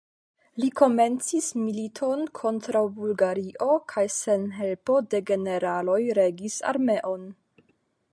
Li komencis militon kontraŭ Bulgario kaj sen helpo de generaloj regis armeon.